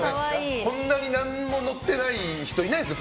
こんなに何も乗ってない人いないですよ